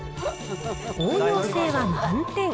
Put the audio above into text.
応用性は満点。